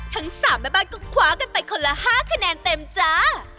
ทั้ง๓แม่บ้านก็คว้ากันไปคนละ๕คะแนนเต็มจ้า